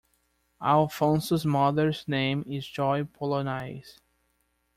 Alfonso's mother's name is Joy Pollonais.